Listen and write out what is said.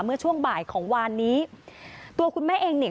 เมื่อช่วงบ่ายของวานนี้ตัวคุณแม่เองเนี่ย